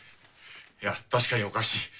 いや確かにおかしい。